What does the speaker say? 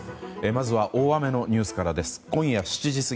まずは大雨のニュースからです。